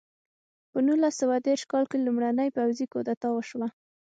په نولس سوه دېرش کال کې لومړنۍ پوځي کودتا وشوه.